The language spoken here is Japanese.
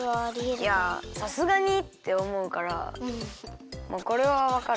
いやさすがにっておもうからもうこれはわかる。